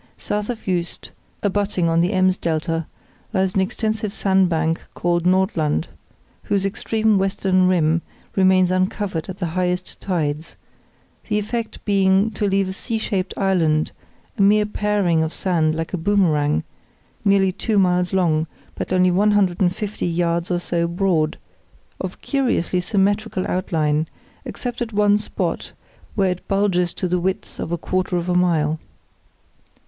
South of Juist, [See Map B] abutting on the Ems delta, lies an extensive sandbank called Nordland, whose extreme western rim remains uncovered at the highest tides; the effect being to leave a C shaped island, a mere paring of sand like a boomerang, nearly two miles long, but only 150 yards or so broad, of curiously symmetrical outline, except at one spot, where it bulges to the width of a quarter of a mile.